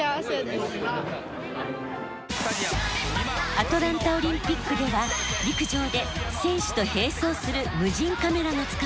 アトランタオリンピックでは陸上で選手と並走する無人カメラが使われます。